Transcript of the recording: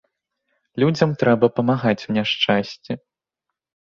Людзям трэба памагаць у няшчасці.